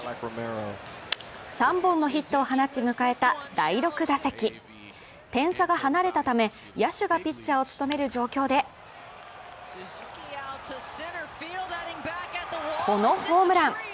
３本のヒットを放ち、迎えた第６打席点差が離れたため、野手がピッチャーを務める状況でこのホームラン。